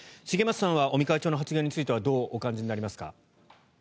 茂松さんは尾身会長の発言についてはどうお感じになりますか。